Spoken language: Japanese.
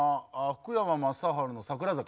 福山雅治の「桜坂」。